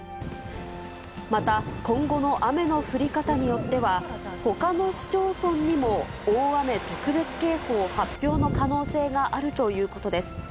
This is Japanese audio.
また、今後の雨の降り方によっては、ほかの市町村にも大雨特別警報発表の可能性があるということです。